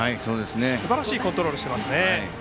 すばらしいコントロールをしていますね。